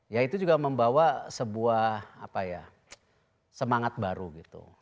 ya itu juga membawa sebuah semangat baru gitu